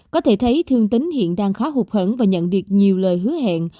có thể thấy thương tính hiện đang khó hụt hẳn và nhận được nhiều lời hứa hẹn